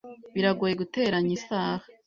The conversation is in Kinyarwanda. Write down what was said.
Biragoye guteranya isaha.